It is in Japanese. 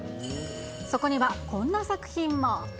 そこには、こんな作品も。